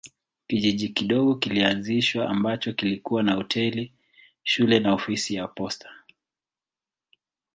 Kijiji kidogo kilianzishwa ambacho kilikuwa na hoteli, shule na ofisi ya posta.